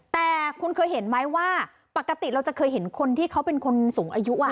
แต่คุณเคยเห็นไหมว่าปกติเราจะเคยเห็นคนที่เขาเป็นคนสูงอายุ